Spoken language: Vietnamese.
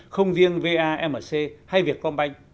không riêng vamc hay việt công banh